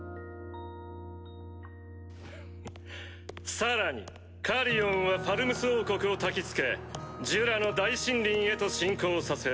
さらにカリオンはファルムス王国をたきつけジュラの大森林へと侵攻させ。